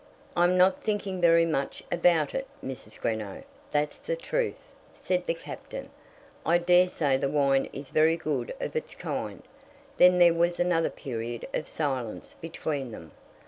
"I'm not thinking very much about it, Mrs. Greenow; that's the truth," said the Captain. "I daresay the wine is very good of its kind." Then there was another period of silence between them.